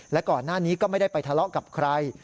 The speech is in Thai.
และก่อนหน้านี้ก็ไม่ได้ไปทะเลาะกับใคร